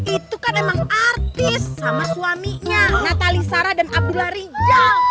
itu kan emang artis sama suaminya natali sarah dan abdullah rizal